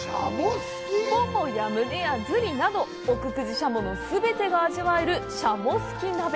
「もも」や「むね」や「ズリ」など奥久慈しゃもの全てが味わえるしゃもすき鍋。